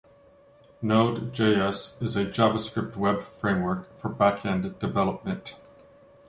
Node.js is a JavaScript web framework for backend development.